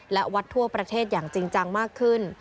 และวัดทั่วประเทศอย่างจริงจังมากขึ้น